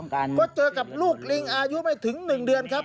ก็เจอกับลูกลิงอายุไม่ถึงหนึ่งเดือนครับ